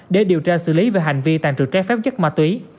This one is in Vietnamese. để điều tra xử lý về hành vi tàn trự trái phép chất ma túy